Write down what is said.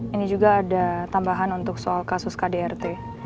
ini juga ada tambahan untuk soal kasus kdrt